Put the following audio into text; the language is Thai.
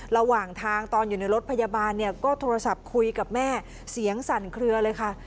ระหว่างทางตอนอยู่ในรถพยาบาลเนี่ยก็โทรศัพท์คุยกับแม่เสียงสั่นเคลือเลยค่ะ